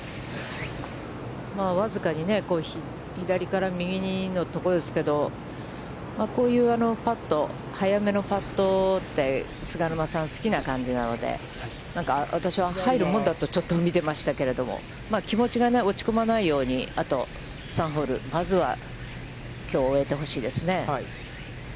僅かに左から右にのところですけど、こういうパット、速めのパットって菅沼さんは好きな感じなので、なんか私は、入るもんだと見てましたけれども、気持ちが落ち込まないように、あと３ホール、まずはきょうを終えてほしいですね。